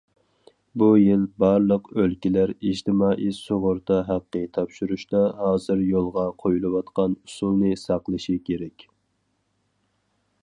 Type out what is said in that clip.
بۇ يىل بارلىق ئۆلكىلەر ئىجتىمائىي سۇغۇرتا ھەققى تاپشۇرۇشتا ھازىر يولغا قويۇلۇۋاتقان ئۇسۇلنى ساقلىشى كېرەك.